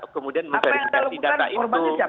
kemudian mengverifikasi data itu